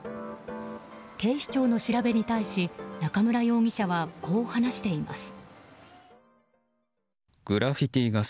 警視庁の調べに対し中村容疑者はこう話しています。